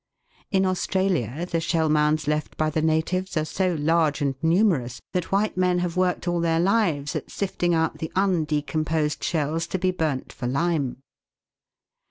In Australia the shell mounds left by the natives are so large and numerous that white men have worked all their lives at sifting out the undecomposed shells to be burnt for lime.